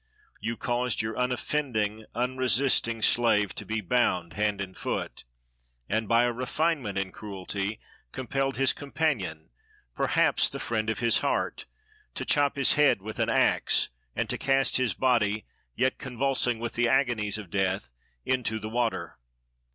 You caused your unoffending, unresisting slave to be bound hand and foot, and, by a refinement in cruelty, compelled his companion, perhaps the friend of his heart, to chop his head with an axe, and to cast his body, yet convulsing with the agonies of death, into the water!